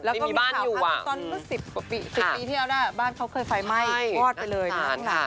ที่มีบ้านอยู่อาท้อนก็๑๐ปีที่แล้วนะครับบ้านเขาเคยไฟไหม้วอดไปเลยขนาดหลังละ